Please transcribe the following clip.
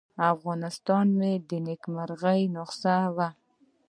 افغانستان مې د نیکمرغۍ نسخه وه.